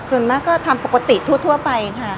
ส่วนมากก็ทำปกติทั่วไปค่ะ